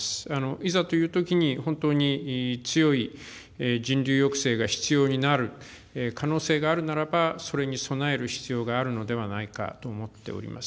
いざというときに、本当に強い人流抑制が必要になる可能性があるならば、それに備える必要があるのではないかと思っております。